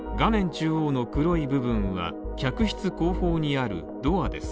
中央の黒い部分は客室後方にあるドアです。